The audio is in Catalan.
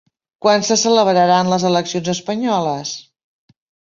Quan se celebraran les eleccions espanyoles?